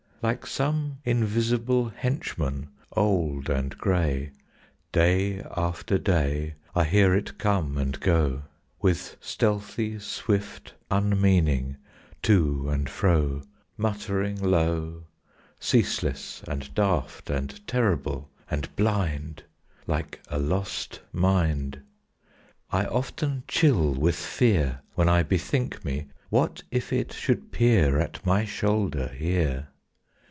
Like some invisible henchman old and gray, Day after day I hear it come and go, With stealthy swift unmeaning to and fro, Muttering low, Ceaseless and daft and terrible and blind, Like a lost mind. I often chill with fear When I bethink me, What if it should peer At my shoulder here!